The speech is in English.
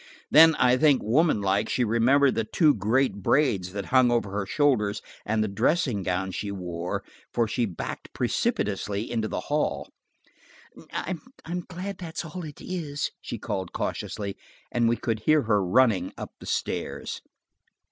Then I think, woman like, she remembered the two great braids that hung over her shoulders and the dressing gown she wore, for she backed precipitately into the hall. "I'm glad that's all it is," she called back cautiously, and we could hear her running up the stairs.